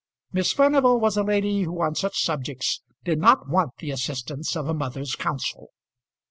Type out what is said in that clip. Miss Furnival was a lady who on such subjects did not want the assistance of a mother's counsel.